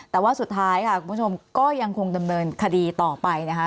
แต่ว่าสุดท้ายค่ะคุณผู้ชมก็ยังคงดำเนินคดีต่อไปนะคะ